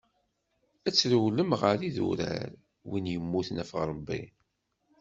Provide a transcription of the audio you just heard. Ad trewlem ɣer yidurar, win yemmuten ɣef Ṛebbi.